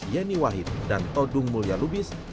yeni wahid dan todung mulia lubis